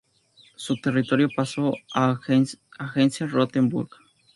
Su territorio pasó a Hesse-Rotenburg.